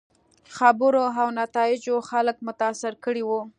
خبرو او نتایجو خلک متاثره کړي وو.